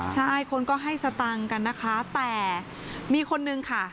ใช่คนก็ให้สตังค์กันนะคะแต่มีคนนึงค่ะ